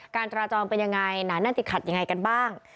การจราจรเป็นยังไงหนาแน่นติดขัดยังไงกันบ้าง